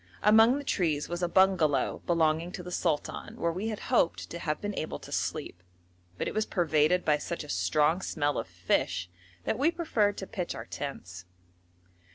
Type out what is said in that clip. Among the trees was a bungalow belonging to the sultan where we had hoped to have been able to sleep, but it was pervaded by such a strong smell of fish that we preferred to pitch our tents.